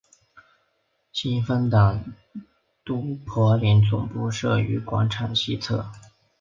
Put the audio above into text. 新芬党都柏林总部设于广场西侧。